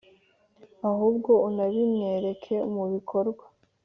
ahubwo unabimwereke mu bikorwa.